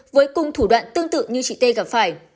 với cùng thủ đoạn tương tự như chị tê gặp phải